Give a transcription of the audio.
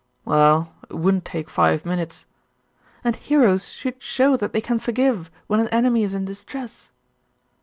'Well, it wouldn't take five minutes.' 'And heroes should show that they can forgive when an enemy is in distress.